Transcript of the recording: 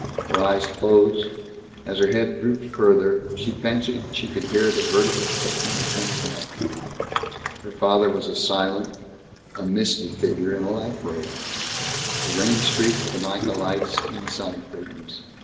Her eyes closed; as her head drooped farther, she fancied she could hear the vertebrae click in her tense neck. Her father was silent, a misty figure in a lap robe. The rain streaked the mica lights in the side curtains.